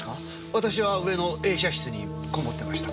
私は上の映写室に篭もってました。